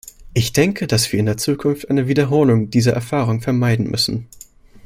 Ich denke, dass wir in der Zukunft eine Wiederholung dieser Erfahrung vermeiden müssen.